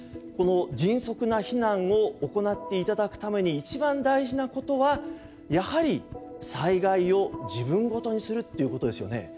この迅速な避難を行って頂くために一番大事なことはやはり災害を自分ごとにするっていうことですよね。